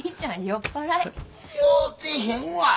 酔うてへんわアホ。